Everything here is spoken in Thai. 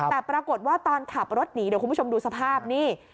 แต่ปรากฏว่าตอนขับรถหนีเดี๋ยวคุณผู้ชมดูสภาพนี่